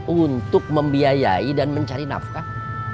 untuk membiayai dan mencari nafkah